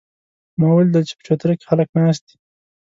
ما ولیدل چې په چوتره کې خلک ناست دي